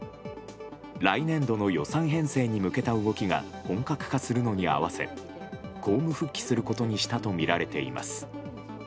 来年度の予算編成に向けた動きが本格化するのに合わせ公務復帰することにしたとみられています。